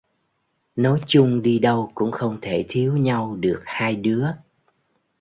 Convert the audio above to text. Nói chung đi đâu cũng không thể thiếu nhau được hai đứa